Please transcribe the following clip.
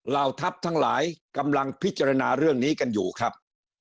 เหล่าทัพทั้งหลายกำลังพิจารณาเรื่องนี้กันอยู่ครับ